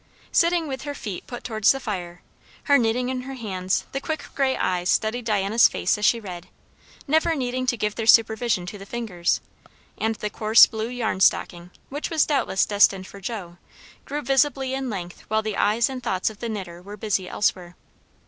Sitting with her feet put towards the fire, her knitting in her hands, the quick grey eyes studied Diana's face as she read, never needing to give their supervision to the fingers; and the coarse blue yarn stocking, which was doubtless destined for Joe, grew visibly in length while the eyes and thoughts of the knitter were busy elsewhere.